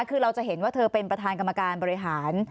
คือเราจะเห็นว่าเธอเป็นประธานกรรมการบริหาร